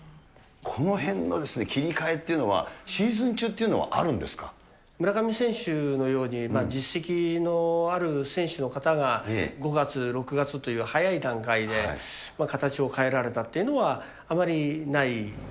このへんの切り替えっていうのは、シーズン中っていうのはあるんで村上選手のように、実績のある選手の方が５月、６月という早い段階で形を変えられたというのは、あまりない。